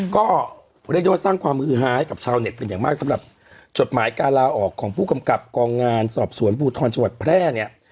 ก็เรียกได้ว่าสร้างความฮือฮาให้กับชาวเน็ตเป็นอย่างมากสำหรับจดหมายการลาออกของผู้กำกับกองงานสอบสวนภูทรจังหวัดแพร่เนี่ย